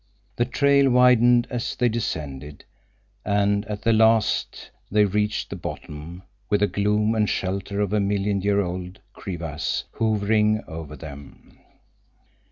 The trail widened as they descended, and at the last they reached the bottom, with the gloom and shelter of a million year old crevasse hovering over them.